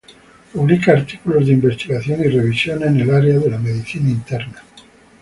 Publica artículos de investigación y revisiones en el área de la medicina interna.